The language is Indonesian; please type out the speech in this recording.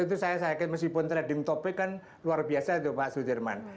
itu saya yakin meskipun trading topic kan luar biasa itu pak sudirman